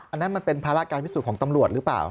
อันนั้นมันเป็นภาระการพิสูจน์ของตำรวจหรือเปล่า